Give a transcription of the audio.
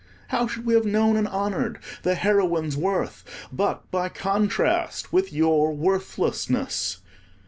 How should we have known and honoured the heroine's worth, but by contrast with your worthlessness?